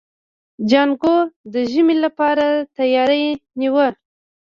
جانکو د ژمي لپاره تياری نيوه.